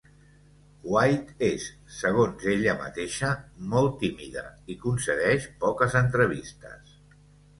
White és, segons ella mateixa, "molt tímida" i concedeix poques entrevistes.